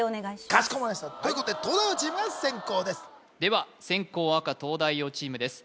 かしこまりましたということで東大王チームが先攻ですでは先攻赤東大王チームです